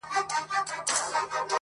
سلطانان یې دي په لومو کي نیولي٫